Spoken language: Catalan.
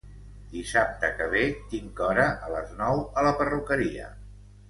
Dissabte que ve tinc hora a les nou a la perruqueria